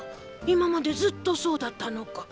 今までずっとそうだったのか？